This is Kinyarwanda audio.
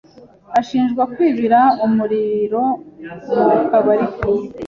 ashinjwa kwibira umuriro mu kabari ke.